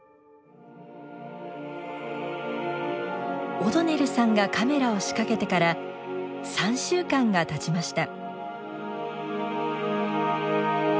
オドネルさんがカメラを仕掛けてから３週間がたちました。